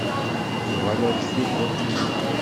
Yuɣal ar deffir Dda Lmulud.